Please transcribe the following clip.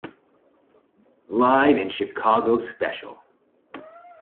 Live in Chicago special.